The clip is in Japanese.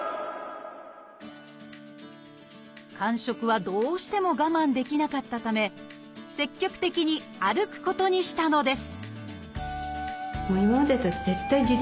間食はどうしても我慢できなかったため積極的に歩くことにしたのです